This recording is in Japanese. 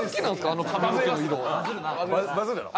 あの髪の毛の色バズるの？